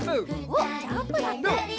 おっジャンプだって。